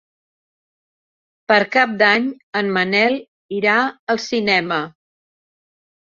Per Cap d'Any en Manel irà al cinema.